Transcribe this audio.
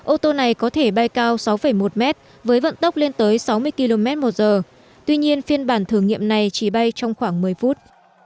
ô tô này có thể bay cao sáu một mét với vận tốc lên tới sáu mươi km một giờ tuy nhiên phiên bản thử nghiệm này chỉ bay trong khoảng một mươi phút